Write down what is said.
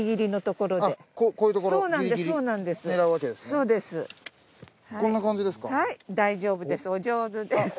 こんな感じですか？